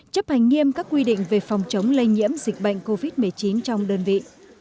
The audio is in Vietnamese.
chấp hành nghiêm các quy định về phòng chống lây nhiễm dịch bệnh covid một mươi chín trong đơn vị